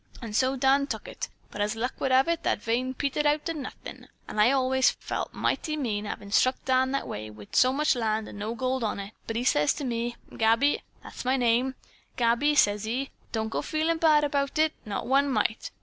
And so Dan tuk it, but as luck would have it, that vein petered out to nothin' an' I allays felt mighty mean, havin' Dan stuck that way wi' so much land an' no gold on it, but he sez to me, 'Gabby,' that's my name; 'Gabby,' sez he, 'don' go to feelin' bad about it, not one mite.